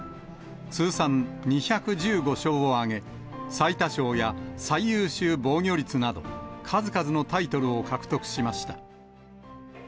通算２１５勝を挙げ、最多勝や最優秀防御率など、数々のタイトルを獲得しました。